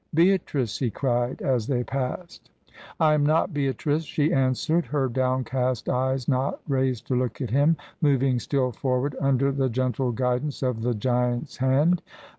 "Beatrice!" he cried, as they passed. "I am not Beatrice," she answered, her downcast eyes not raised to look at him, moving still forward under the gentle guidance of the giant's hand.